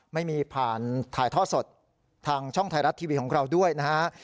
ไม่มีผ่านถ่ายท่อสดทางช่องไทยรัฐทีวีของเราด้วยนะฮะ